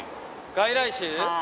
外来種？